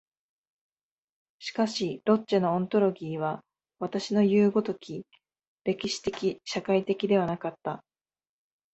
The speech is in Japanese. しかしロッチェのオントロギーは私のいう如き歴史的社会的ではなかった。